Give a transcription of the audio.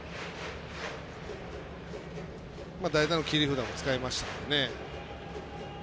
代打の切り札も使いましたのでね。